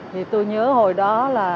thì tôi nhớ hồi đó là